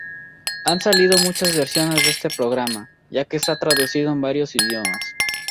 Han salido muchas versiones de este programa, ya que está traducido en varios idiomas.